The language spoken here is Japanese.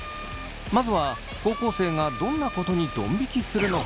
まずは高校生がどんなことにどん引きするのか？